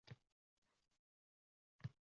Opa indamay qoldi, lekin o‘zini bir gapdan tiyolmadi: